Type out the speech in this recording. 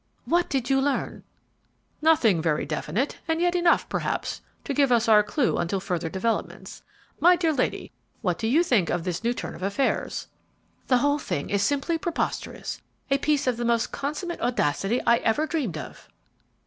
"What did you learn?" "Nothing very definite, and yet enough, perhaps, to give us our cue until further developments. My dear lady, what do you think of this new turn of affairs?" "The whole thing is simply preposterous; a piece of the most consummate audacity I ever dreamed of!"